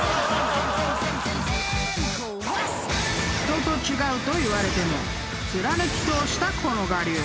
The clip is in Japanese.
［人と違うと言われても貫き通したこの我流］